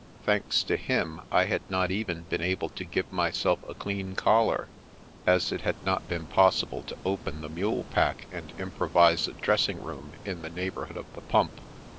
Thanks to him, I had not even been able to give myself a clean collar, as it had not been possible to open the mule pack and improvise a dressing room in the neigh bourhood of the pump.